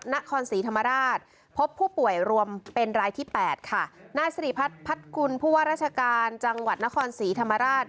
นครศรีธรรมราชพบผู้ป่วยรวมเป็นรายที่แปดค่ะนายสิริพัฒน์พัดกุลผู้ว่าราชการจังหวัดนครศรีธรรมราช